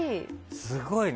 すごいね。